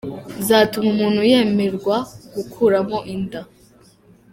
zatuma umuntu yemererwa gukuramo inda